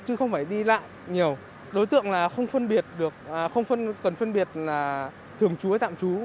chứ không phải đi lại nhiều đối tượng là không phân biệt được không cần phân biệt là thường chú hay tạm chú